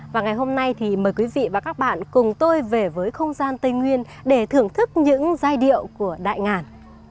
và ngày hôm nay thì mời quý vị và các bạn cùng tôi về với không gian tây nguyên để thưởng thức những giai điệu của đại ngàn